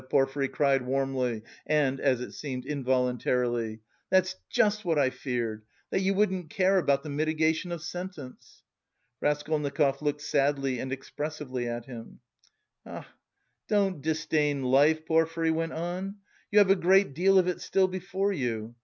Porfiry cried warmly and, as it seemed, involuntarily. "That's just what I feared, that you wouldn't care about the mitigation of sentence." Raskolnikov looked sadly and expressively at him. "Ah, don't disdain life!" Porfiry went on. "You have a great deal of it still before you.